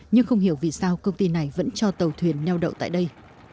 nhưng không hiểu vì sao công ty này vẫn cho tàu thuyền neo đậu tại đây